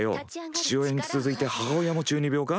父親に続いて母親も中二病か？